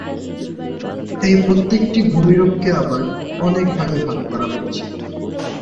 এই প্রত্যেকটি ভূমিরূপ কে আবার অনেক ভাগে ভাগ করা হয়েছে।